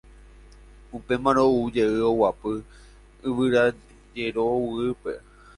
Upémarõ oujey oguapy yvyrajero'a guýpe.